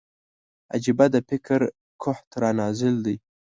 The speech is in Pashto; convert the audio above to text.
عجيبه د فکر قحط را نازل دی